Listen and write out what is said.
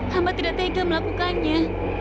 hamba tidak tega melakukannya